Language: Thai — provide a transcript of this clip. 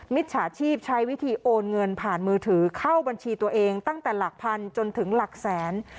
มิจฉาชีพใช้วิธีโอนเงินผ่านมือถือเข้าบัญชีตัวเองตั้งแต่หลักพันจนถึงหลักแสน